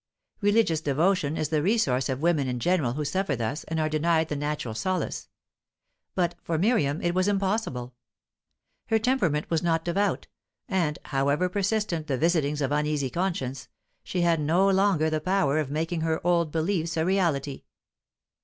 Religious devotion is the resource of women in general who suffer thus and are denied the natural solace; but for Miriam it was impossible. Her temperament was not devout, and, however persistent the visitings of uneasy conscience, she had no longer the power of making her old beliefs a reality.